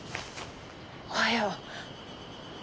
おはよう。